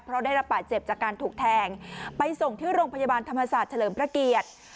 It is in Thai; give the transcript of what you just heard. เพราะได้รับบาดเจ็บจากการถูกแทงไปส่งที่โรงพยาบาลธรรมศาสตร์เฉลิมพระเกียรติ